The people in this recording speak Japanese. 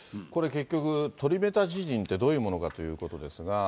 これ、結局、トリメタジジンってどういうものかということですが。